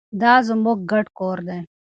دا زموږ ګډ کور دی.